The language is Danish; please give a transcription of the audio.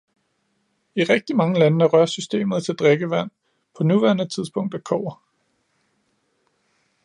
I rigtigt mange lande er rørsystemet til drikkevand på nuværende tidspunkt af kobber.